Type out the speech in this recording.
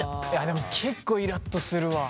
でも結構イラっとするわ。